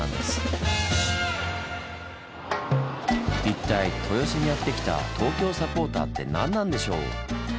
一体豊洲にやってきたＴＯＫＹＯサポーターって何なんでしょう？